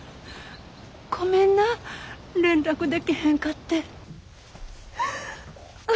ごめんな連絡でけへんかって。